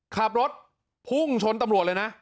ขับรถพุ่งชนตำรวจเลยนะ